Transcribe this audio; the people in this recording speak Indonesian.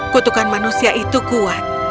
kutukan manusia itu kuat